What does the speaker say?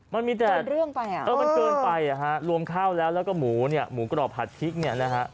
มันเกินไปรวมข้าวแล้วก็หมูเนี่ยหมูกรอบผัดพริกเนี่ยนะฮะ